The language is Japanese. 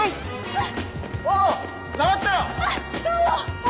あっどうも！